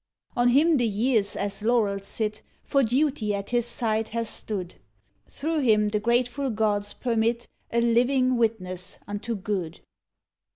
On him the years as laurels sit, For Duty at his side hath stood; Thro him the grateful gods permit A living witness unto good.